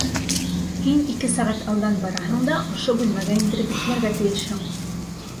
Һин ике сәғәт алдан бараһың да ошо бүлмәгә индереп бикләргә тейешһең!